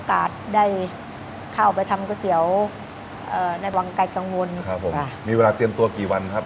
ก๋วยเตี๋ยวเอ่อในวังไกลกังวลครับผมมีเวลาเตรียมตัวกี่วันครับ